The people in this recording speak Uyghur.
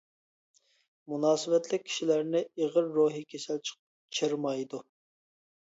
مۇناسىۋەتلىك كىشىلەرنى ئېغىر روھى كېسەل چىرمايدۇ.